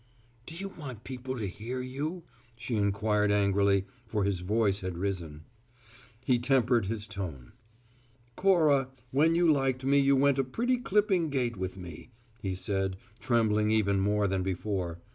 "Do you want people to hear you?" she inquired angrily, for his voice had risen. He tempered his tone. "Cora, when you liked me you went a pretty clipping gait with me," he said, trembling even more than before.